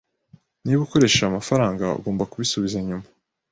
Niba ukoresheje amafaranga, ugomba kubisubiza nyuma.